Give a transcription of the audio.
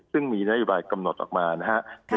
ซึ่งมีนโยบายกำหนดออกมานะครับ